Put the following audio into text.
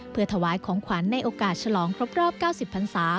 เพื่อถวายของขวัญในโอกาสฉลองครบรอบ๙๐พันศา